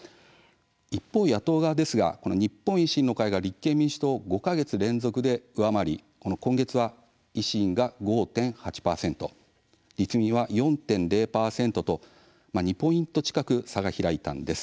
一方、野党側は日本維新の会が立憲民主党を５か月連続で上回り今月は維新が５．８％立民は４．０％と２ポイント近く差が開きました。